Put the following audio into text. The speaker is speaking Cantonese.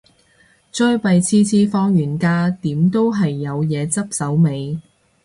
最弊次次放完假，點都係有嘢執手尾